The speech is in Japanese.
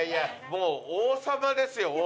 もう王様ですよ王様。